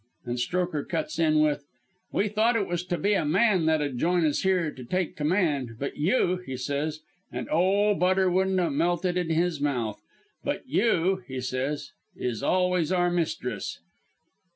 "And Strokher cuts in with "'We thought it was to be a man that 'ud join us here to take command, but you,' he says an' oh, butter wouldn't a melted in his mouth 'But you he says, 'is always our mistress.